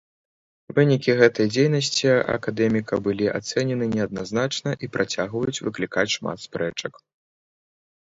Вынікі гэтай дзейнасці акадэміка былі ацэнены неадназначна і працягваюць выклікаць шмат спрэчак.